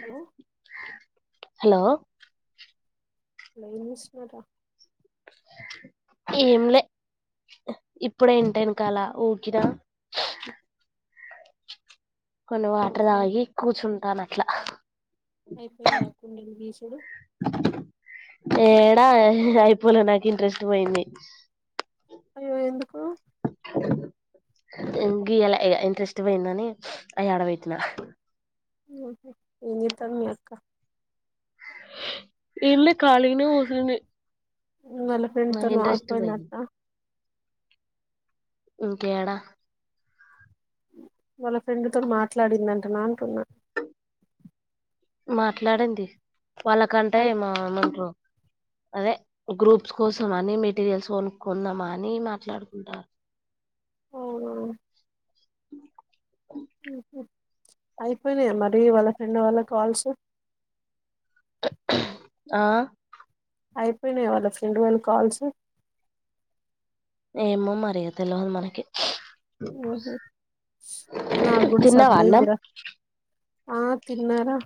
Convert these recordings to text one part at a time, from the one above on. Hello hello వెళ్లొస్తాను ఏమి లే ఇప్పుడే ఇంటెన్కాలా ఓడ్చిన కొన్ని వాటర్ అయి తాగి కూర్చున్న కానట్ల అయిపోయిందా కుండీలు గీసుడు ఏడా అయిపోలే నాకు ఇంట్రెస్ట్ ఓయింది అయ్యో ఎందుకూ గీయలే ఇంట్రెస్ట్ వేయిందని అనీ ఆయి ఆడా పెట్టిన ఉ హ్ ఏజేత్తది మీఅక్క ఏ లేదు ఖాళీగానే కూర్చుంది వాళ్ళ ఫ్రెండ్ తోటి పారిపోయిందటనా ఇంకేడా వాళ్ళ ఫ్రెండ్తో మాట్లాడిందంటన్నా అంటున్న మాట్లాడింది వాళ్ళకంటే అయి మా [unintelligible] అదే గ్రూప్స్ కోసం అని మెటీరియల్స్ కొనుకుందామ అని మాట్లాడుకుంటారు అవునా [inaudible] ఉ హ్ అయిపోయినయ మరి వాళ్ళ ఫ్రెండ్ వాళ్ళ కా ల్స్ ఆ అయిపేయినయ వాళ్ళ ఫ్రెండ్ వాళ్ళు కాల్సు ఏమో మరి తెలవదు మనకి ఉహు నాకు కూడా తిన్నవా అన్నమ్ సర్దయిందిరా ఆ తిన్నారా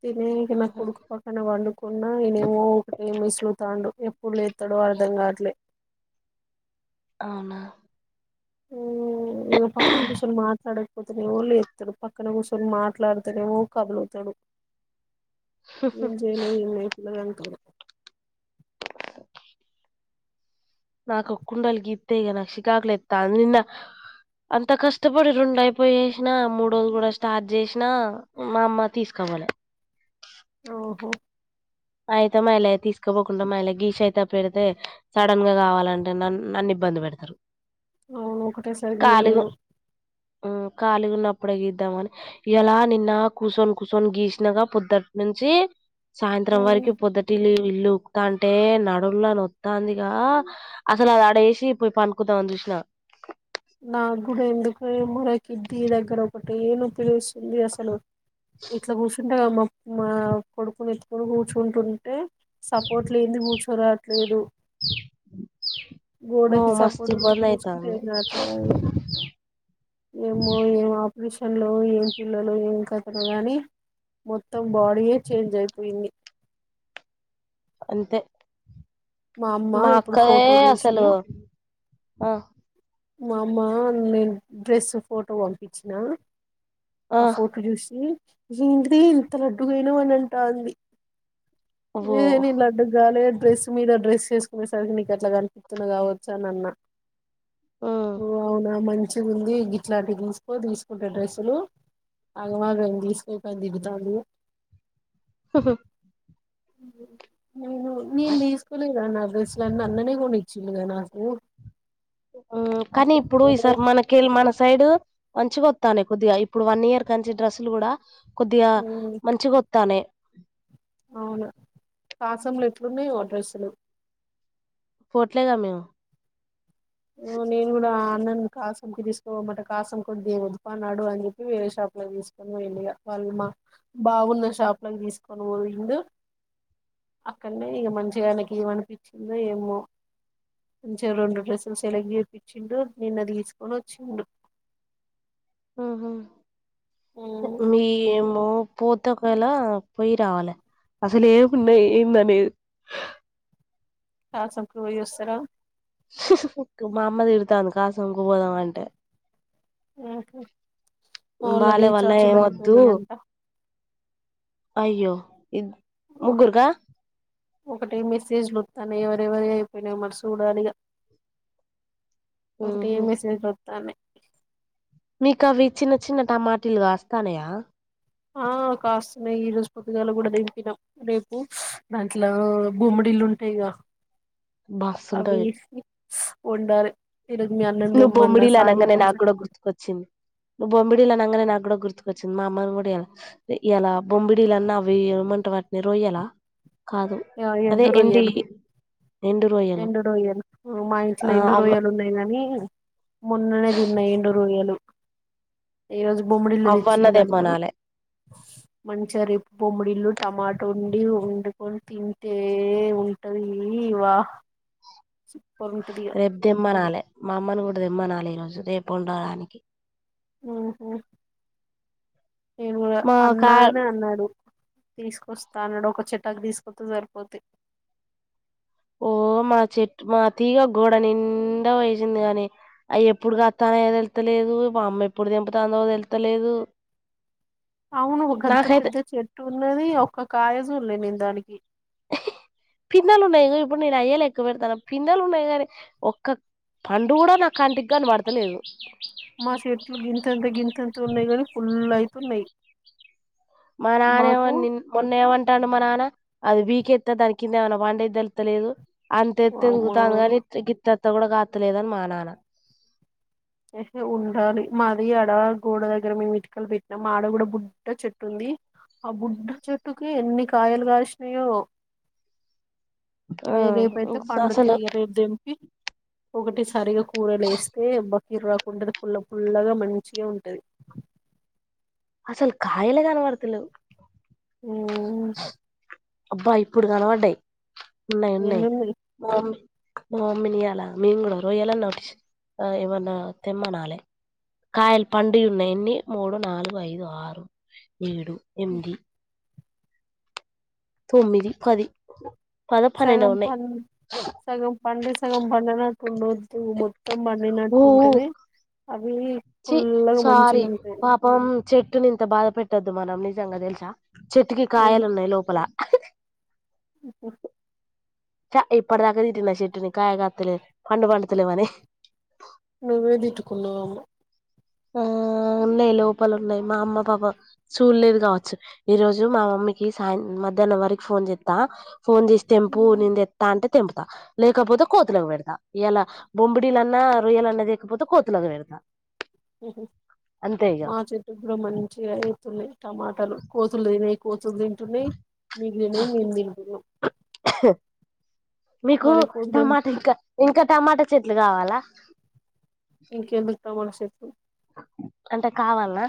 తినే ఇకనా కొడుకు పక్కన వండుకున్నా ఇనేమో ఏ మో మేసులు తాండు ఎప్పుడు లేత్తడో అర్థం గావట్లే అవునా ఊ నా పక్కన కూర్చొని మాట్లాడకపోతేనేవో లేస్తడు పక్కన కూర్చొని మాట్లాడుతేనేవో కదులుతడు ఏం జెలో ఎన్నాట్ [unintelligible] [inaudible] నాకు ఒ కుండలి గీతే నాకు చికాకులు లేతంది నిన్న అంత కష్టపడి రెండు అయిపోయిేసిన మూడు గుడా స్టార్ట్ చేసిన మా అమ్మ తీసుకపోలే ఓహో అయితే మాఏ లే తీసుకోపోకుండామాఏ లే గీషయితే పెడితే సడన్ గా కావాలంటే న నన్ను ఇబ్బంది పెడతరు అవును ఒకటే సరి తీయాల ఆ కాలి గా ఉన్నప్పుడు గీద్దామని ఎలా నిన్న కూర్చొని కూర్చొని గీసినగా పొద్దుటి నుంచి త్రం వరకు పొద్దటిలి ఇల్లు ఉకుతా అంటే నడుంళ నొత్తందిగా అసలు అది అడేసి పోయి పనుకుదాం అని చూసిన నా గుడ ఎందుకు ముల కిడ్నీ దగ్గర ఒకటే నొప్పి లేస్తుంది అసలు ఇట్లా గుసో ఇంటగామ్ మా మా కొడుకుని ఎత్తుకకుని కూర్చుంటుంటే సపోర్ట్ లేని కూర్చోరావట్లేదు మ మస్తి సపోర్ట్ ఇబ్బంది కూర్చుంటే అయితాంది ఏం ఏమో ఏం ఆపిరీషన్ లో ఏం పిల్లలో ఏం కథనో గాని మొత్తం బాడీయే చేంజ్ అయిపోయింది అంతే మా అమ్మ ఇప్పుడు అక్కయే ఫోటో జూసి అసలు ఆ మా అమ్మ నేను డ్రెస్సు ఫోటో పంపిచ్చిన ఆ ఫోటో జూసి ఏంటిది ఇంత లడ్డుగైనవ్ అని అంటాంది ఓ ఏ నిన్ లడ్డుగ్గాలే డ్రెస్ మీద డ్రెస్ చేసుకునేసరికి నీకు అట్లా కనిపితున్న గావచ్చు అని అన్నా ఉమ్ ఓ అవునా మన మంచిగా ఉంది గిట్లాంటి తీసుకో తీసుకుంటే డ్రస్సులు ఆగమగం తీసుకోకు అని తిడుతాంది హహ హ నను నేను తీస్కోలే గా నా డ్రెస్సులు అన్ని అన్ననే కొనిి చిన్గానకు కానీ ఇప్పుడు ఈసార్ మనకేళి మన సైడ్ మంచిగొతనయి కొద్దిగా ఇప్పుడు వన్ ఇయర్ కంచి డ్రెస్సులు కూడా కొద్దిగా మంచిగా గొత్త తానై అవును కాసంలు ఎట్లున్నాయో డ్రస్సులు పోట్లేద మేము నేను కూడా అన్నన్ కాస్త తీసుకోమమాట కాసం కొద్ది వదున్నాడు అని చెప్పి వేరే షాప్ లోకి తీసుకొని పోయిండు వాళ్ళు మా బావున్న షాప్ లో తీసుకొని పోయిండు అక్కడనే ఇక మంచిగా ఆయనకి ఏమనిపించిందో ఏమో మంచి రెండు డ్రెస్ సెలెక్ట్ చేపించిండు నిన్నదిసుకొని వచ్చిండు ఆ హా మ్మ్ మీ ఏమో పోతే ఒకవేళ పోయి రావాలి అసలే ఏమున్నాయి ఏందనేది చ సంకు పోయి వస్తార మామ్మ తిడ్ తన కాసంకు పోదాం అంటే ఆహా మావోల్ల బాలే వల్ల ఏం రీచార్జ్లు వద్దు అయిపోయినాయి అంట అయ్యో ఇది ముగ్గుర్గా ఒకటిే మెసేజ్లుస్తాను ఎవరెవరి అయిపోయినా మరి చూడాలిగా ఒకటిే ఉహు మెసేజ్లు వత్తనై మీకు అవి చిన్న చిన్న టమాటిలు కాస్తానయా ఆ కాస్తున్నాయి ఈ రోజు పొద్దుగాల కూడా దెంపినం రేపు దాంట్లో బొమ్మడిల్లు ఉంటాయిగా బస్సు ఉంటది వండలే నువ్వు బొమిడిీ అనగానే నాకు కూడా వచ్చేటప్పుడు గుర్తుకొచ్చింది నువ్ బొమ్మిడిీలు అనగానే నాకు కూడా గుర్తు వచ్చింది మా అమ్మని కూడా ఎలా ఎలా బొమ్బిడి లన్న అవి ఏం అంటారు వాటిని రొయ్యల ఆ ఎండు రొయ్యలు ఎండు రొయ్యలు ఎండు రోయ్యలు మా ఇంట్లో ఆ ఎండు అవ్వ రోయ్యలు ఉన్నాయి గాని మొన్ననే తిన్న ఎండు రొయ్యలు ఈ రోజు బొమ్మడిలు అవ్వన్న తెచ్చిండనుకో తెమ్మనాలే మంచిగారిపు బొమ్మిడిలు టమాటో ఉండి వండుకొ తింతే ఉంటవి ఇవా రేపు తెమ్మనాలి మా అమ్మను కూడా తెమ్మనాలి ఈ రోజు రేపు ఉండడానికి హ్మ్ హ్మ్ నేను మా కా అన్నానే అన్నాడు తీసుకొస్తా అన్నాడు ఒక చెటక్ తీసుకొస్త సరిపోత ఓ మా చెట్టు మా అ తీగా గోడ నిండా వేసింది కాగాని అయ ఎప్పుడు తాన ఏదోళ్తలేదు మా అమ్మ ఎప్పుడు దింపుత అని వెళ్తలేదు అవును ఒక అంత పెద్ద చెట్టు ఉన్నది ఒక కాయజూలే నే దానికి పిన్నలు ఉన్నాయి ఇప్పుడు నేను అయ్య్యా ఎెక్క పెడతాను పిన్నలు ఉన్నాయి కానీ ఒక్క పండు కూడా నాకు కంటికిగాని పడతలేదు మాస ఎట్లు గింతంత గింతంత తున్నాయ్ కానీ ఫుల్ అయితున్నాయి మా నానే ఏమ మాకు ని మొన్న ఏమంటాను మ నాన్న అది వీకెస్త దాని కింద ఏమనా వండ ఇద్దలుతలేదు అంతే వామ్మో తెగుతానుగాని తెత్త కూడా కాత్తలేదని మా నాన్న ఉండాలి మాది ఆడ గోడ దగ్గర మేము ఇటుకలు పెట్టినాం ఆడ కూడాడ బుడ్డ చెట్టు ఉంది ఆ బుడ్డ చెట్టుకి ఎన్ని కాయలు కాల్సినాయో ఆ అవి రేపు అయితే అసలు పండుతాయి ఇక రేపు దేంపి ఒకటి సరీగాకు కూరలో లేస్తే బ కిరాక్కుంటది పుల్ల ఫుల్లగా మంచిగా ఉంటది అసలు కాయలు కనపర్తలేవు హ్మ్ అబ్బా ఇప్పుడు కనపడాయ్ ఉన్నాయి ఉన్నాయి మమ్ మా మమ్మీ నీ ఈయల మేము కూడా రోయలు ఏం అన్న తెమ్మనాాలె కాయల పండు ఉన్నాయన్ని మూడు నాలుగు ఐదు ఆరు ఏడు ఎనిమిది తొమ్మిది పది పద పన్నెండు సగం ఉన్నాయి ప సగం పండి సగం పండన [inaudible] ఊ ఊ అవి చి పుల్లగా సారీ మంచిగా ఉంటాయి పాపం చెట్టునింత బాధప పట్టద్దు మనం నిజంగా తెలుసా చెట్టుకి కాయలున్నాయి లోపల ఓహ చా ఇప్పుడుదాక తిటిన్న చెట్టిని కయ కాతులే పండు పండ్తలేవ్ అని నువ్వే ఏ పెట్టుకున్నావమ్మా ఆ ఉన్నాయి లోపాలున్నాయి మా అమ్మ పాపం చూల్లేదు కావచ్చు. ఈ రోజు మా మమ్మీకి సాయం మధ్యాహ్నం వరకు ఫోన్ చేత్తా ఫోన్ చేసి తెంపు నే తేత్త అంటే తెంపుతా లేకపోతే కోతులకు పెడతా ఇయాల బొంమ్మిడిలన్న, రొయ్యలన్నా లేకపోతే కోతులకు పెడతా మ్మ్ హ్హ్ అంతే ఇగ మా చెట్టుకు కూడా మంచిగా అవుతున్నాయి టమాటా కానీ కోతులులేవు హ్హ్ హ్ ఏం తింటున్నాయి మీకు నేనేమ్ చేయలేను అసలకు నో హహ్ మీకు కోతులు టమాటా ఇంకా ఇంకా టమాటా చెట్లు కావాలా ఇంకెందుకు టమాటా చెట్లు అంటే కావాల్లా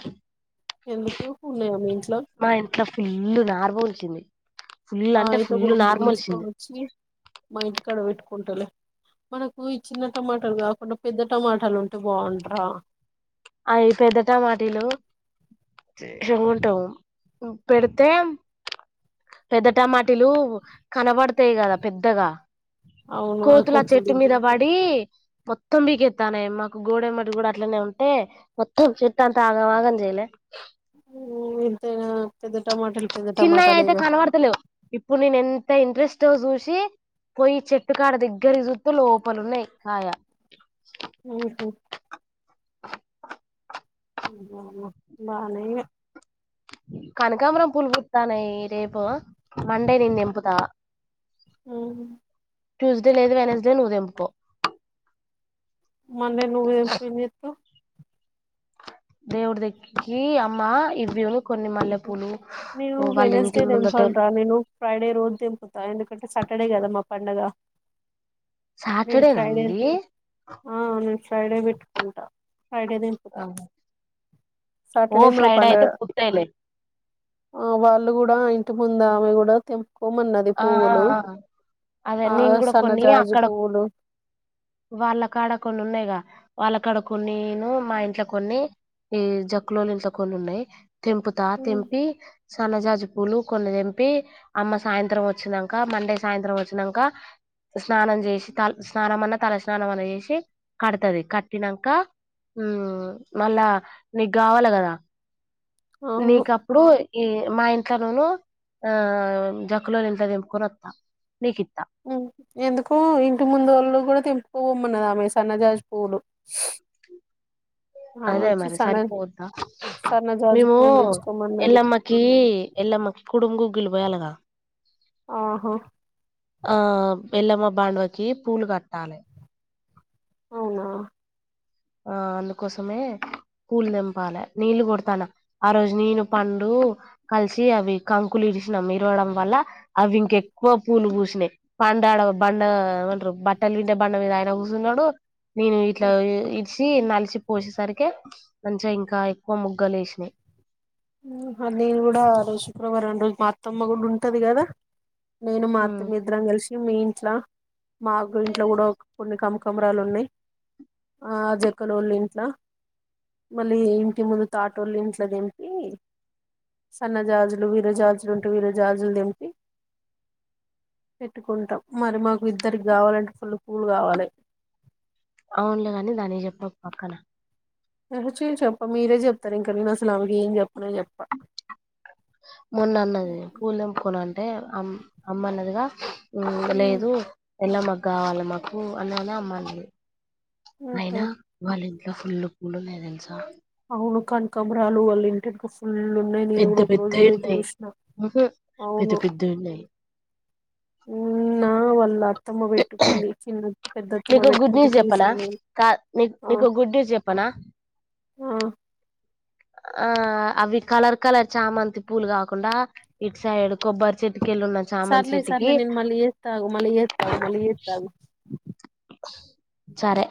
ఎందుకు ఉన్నాయా మీ ఇంట్లో ఫుల్లు నార్ మొలిచింది ఫుల్ ఆ అంటే అయితే ఫుల్ రెండు నారు తీసుకొని మొలిచింది వచ్చి మా ఇంటి కడ పెట్టుకుంటలే మనకు ఈ చిన్న టమాటాలు కాకుండా పెద్ద టమాటాలు ఉంటా అంత బాగుంటయా అవి పెద్ద టమాటాలు ఉంటాయి పెడితే పెద్ద టమాటాలు కనబడతాయి కదా పెద్దగా అవును అవి కోతులు ఆ చెట్టు తింటే మీద పడి మొత్తం పీకెత్తానే మాకు గోడ ఏమ్మటి కూడా అట్లనే ఉంటే మొత్తం చెట్టు అంత ఆగమాగం చెయలే మ్మ్ అంతే గదా చిన్నయి అయితే కనబడతలేవు ఇప్పుడు నేను ఎ నంతా ఇంట్రెస్ట్ గా చూసి పోయి చెట్టుకాడ దగ్గర చూత్తే లోపలున్నాయి కాయ మ్మ్ హ్హ్ మ్మ్ బానే ఉన్నాయి కనకాబరం పూలు పూత్తన్నాయి రేపు మండే నేను తెంపుతా మ్మ్ హు ట్యూస్డే లేదు వెనస్డే నువ్వు తెంపుకో మొన్న నువ్వు తెంపి ఏం చెత్తవ్ దేవుడి దగ్గరికి అమ్మ ఇవ్వు నేను ఇంటి వెనస్డే ముందటోల్ దెంపండ్రా నేను ఫ్రైడే రోజ్ దెంపుతా ఎ [unintelligible] సాటర్డే కద మా పండగ నేను సాటర్డే నా ఫ్రైడే మీది ఆ నేను ఫ్రైడే పెట్టుకుంటా ఫ్రైడే తెంపుతా ఓ సాటర్డే మా ఫ్రైడే అయితే పండగ పూత్తాయిలే ఆ వాళ్ళు కుడా ఇంటి ముందు ఆమె గుడా తెం ఆ ఆ ఆ అదే ఆ నేను కూడా కొన్ని సన్నజాజి అక్కడ పువ్వులు వాళ్ళ కాడ కొన్ని ఉన్నాయిగా వాళ్ళకాడ కొన్నిను మా ఇంట్లో కొన్ని ఈ జక్కులొల్ల ఇంట్లో కొన్ని ఉన్నాయి తెంపుతా తెంపి సన్నజాజి పూలు కొన్నిదెంపి అమ్మ సాయంత్రం వచ్చినాంక మండే సాయంత్రం వచ్చినంక స్నానం చేసి తల స్నానం అన్నా తల స్నానం అన్నా చేసి కడతది కట్టినాంక ఉ మళ్ళా నీగ కావాలి కదా అవును నీకప్పుడు ఈ మా ఇంట్లో నూను ఆ జక్కులొల్ల ఇంట్లొ దెంపుకొని వత్తా నీకిత్తా ఎందుకు ఇంటి ముందు వొళ్ళు కూడా తెం పూ మన్నదామే సన్నజాజ్ పూలు ఆమె అదే వచ్చి మరి సన్న సరిపోద్దా సన్నజాజి మేము పూలు తెచ్చుకోమన్నది ఎలమ్మకి ఎలమ్మకి కుడుం గు [unintelligible] పోయాలి గా ఆహో ఆ బెల్లమ్మ బాండవకి పూలు గట్టాలి అవునా ఆ అందుకోసమే పూలు దెంపాలె నీళ్ళు కొడతాన్నం ఆ రోజు నేను పండు కలిసి అవి కంకులు ఇరిసినాం ఇరవడం వల్ల అవి ఇంకెక్కువ పూలు కూసినాయి పండు బండ ఏమారు బట్టలు విండే బండ మీద అయినా కూర్చున్నాడు నేను ఇట్లా ఇద్ వచ్చి నలిచి పోసేసరికి మంచిగా ఇంకా ఎక్కువ మొగ్గలు ఏసినాయ్ నేను కూడా శుక్రవారం రోజు మా అత్తమ్మ కూడా ఉంటది గదా నేను మా ఉమ్, అత్తమ్మ ఇద్దరం కలిసి మీ లా మాకు ఇంట్లో గుడా కొన్ని కంక్ కమరాలు ఉన్నాయ్ ఆ జక్కలోళ్ళు ఇంట్లో మళ్ళీ ఇంటి ముందు తాటోళ్ళు ఇంట్లో దెం సన్న జాజులు వీరే జాజులు ఉంటే వీర జాజులు దింపి పెట్టుకుంటాం మరి మాకు ఇద్దరి కావాలంటే ఫుల్ పూలు కావాలి అవునులేగాని దానికి జెప్ [unintelligible] పక్కన [unintelligible] చెప్ప మీరేజెప్తారు ఇంకా ఏమ్ జెప్ మొన్న అన్నది పూల్ దెంపుకోనని అంటే అమ్ అమ్మన్నదిగా ఉమ్, లేదు ఎలా మాకు గావాలి మాకు అని అమ్మ అన్నది ఉహు. అయినా వాల్ ఇంట్లో ఫుల్లు పూలు ఉన్నాయ్ దెలుసా కనకాంబరాలు అల్లుంటే పెద్ద పెద్ద ఉన్నాయి పెద్ద పెద్ద ఉన్నాయి. నాగా వల్ల అత్తమ పెట్టుకుంది చిన్న పెద్దత్తమ్మ నీకు ఓ గుడ్ పెట్టుకుంటే న్యూస్ చెప్పనా చూసిన నేను కాడ్ ఆ నీకు ఓ గుడ్ న్యూస్ చెప్పనా. ఆ ఆ అవి కలర్ కలర్ చామంతి పూలు కాకుండా ఇటు సైడ్ కొబ్బరి చెట్. సర్లీ సర్లి నిన్ మళ్ళ ఏస్తాగు మళ్ళ చేత ఆగు మళ్ళ ఏస్తాగు. సరే